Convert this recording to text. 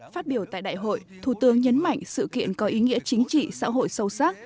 phát biểu tại đại hội thủ tướng nhấn mạnh sự kiện có ý nghĩa chính trị xã hội sâu sắc